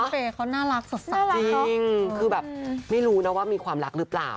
เฟย์เขาน่ารักสดใสจริงคือแบบไม่รู้นะว่ามีความรักหรือเปล่า